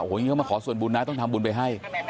วันนี้เขามาขอส่วนบุญนะต้องทำบุญไปให้